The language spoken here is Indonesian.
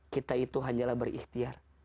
kita itu hanyalah berikhtiar